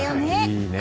いいね。